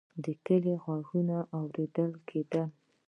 د کلي غږونه اورېدل کېدل.